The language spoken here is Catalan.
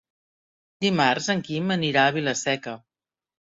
Dimarts en Quim anirà a Vila-seca.